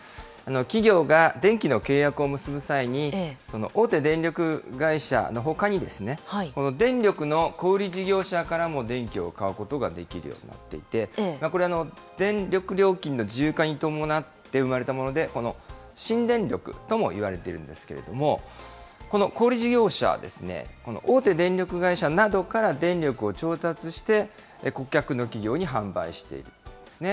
企業が電気の契約を結ぶ際に、大手電力会社のほかに、電力の小売り事業者からも電気を買うことができるようになっていて、電力料金の自由化に伴って生まれたもので、この新電力ともいわれているんですけれども、小売り事業は大手電力会社などから電力を調達して、顧客の企業に販売しているということですね。